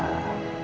enggak mau makan